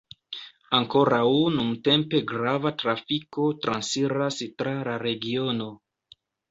Ankoraŭ nuntempe grava trafiko transiras tra la regiono.